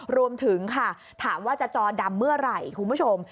รวมถึงค่ะถามว่าจะจอดำเมื่อไหร่คุณผู้ชม